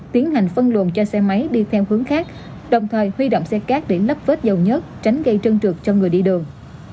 tiến hành phân luồn cho xe máy đi theo hướng khác đồng thời huy động xe cát để lấp vết dầu nhất tránh gây chân trượt cho người đi đường